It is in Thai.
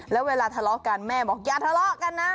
แล้วเวลาทะเลาะกันแม่บอกอย่าทะเลาะกันนะ